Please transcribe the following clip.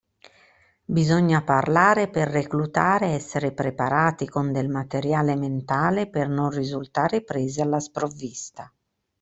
Bisogna parlare per reclutare e essere preparati con del materiale mentale per non risultare presi alla sprovvista.